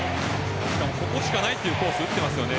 ここしかないというコース打っていますよね。